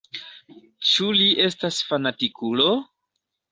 Ĉu li estas fanatikulo?